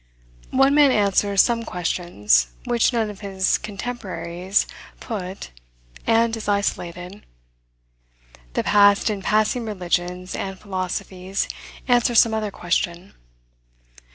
One man answers some questions which none of his contemporaries put, and is isolated. The past and passing religions and philosophies answer some other question.